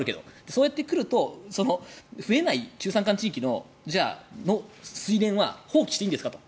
そうやってくると増えない中山間地域の水田は放棄していいんですかと。